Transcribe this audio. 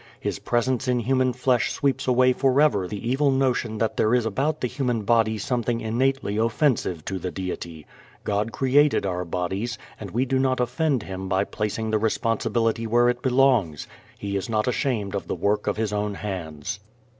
His presence in human flesh sweeps away forever the evil notion that there is about the human body something innately offensive to the Deity. God created our bodies, and we do not offend Him by placing the responsibility where it belongs. He is not ashamed of the work of His own hands.